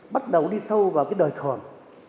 bắt đầu đi sâu vào cái đời thường